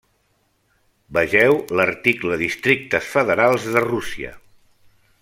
Vegeu l'article districtes federals de Rússia.